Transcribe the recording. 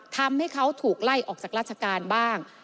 ทำให้เขาถูกไล่ออกจากราชการบ้าง